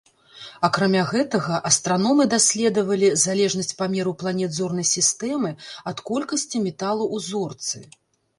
Акрамя гэтага, астраномы даследавалі залежнасць памеру планет зорнай сістэмы ад колькасці металу ў зорцы.